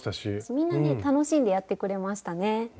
みんなね楽しんでやってくれましたね。